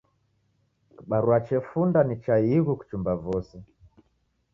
Kibarua chefunda ni cha ighu kuchumba vose.